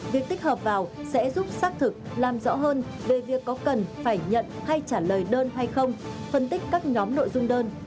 việc tích hợp vào sẽ giúp xác thực làm rõ hơn về việc có cần phải nhận hay trả lời đơn hay không phân tích các nhóm nội dung đơn